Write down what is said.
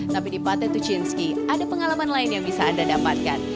tapi di pate tuchinski ada pengalaman lain yang bisa anda dapatkan